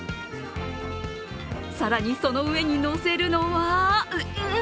更に、その上にのせるのはん？